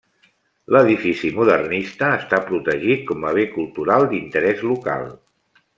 L'edifici modernista està protegit com a bé cultural d'interès local.